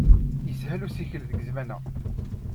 Yeshel usikel deg zzman-a.